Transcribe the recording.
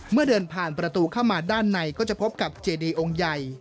เดินผ่านประตูเข้ามาด้านในก็จะพบกับเจดีองค์ใหญ่